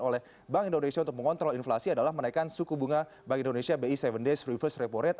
oleh bank indonesia untuk mengontrol inflasi adalah menaikkan suku bunga bank indonesia bi tujuh days reverse repo rate